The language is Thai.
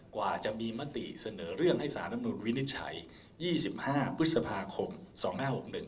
กว่ามีมติเสนอเรื่องให้สามนมนุรวินิสัย๒๕พศห๒๕๖๑